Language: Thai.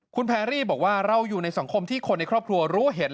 คุณแพรรี่บอกว่าเราอยู่ในสังคมที่คนในครอบครัวรู้เห็น